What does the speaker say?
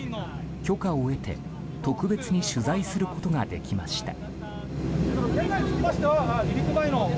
許可を得て特別に取材することができました。